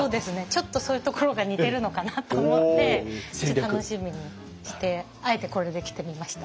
ちょっとそういうところが似てるのかなと思って楽しみにしてあえてこれで来てみました。